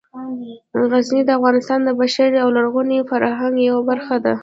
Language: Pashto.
غزني د افغانستان د بشري او لرغوني فرهنګ یوه برخه ده.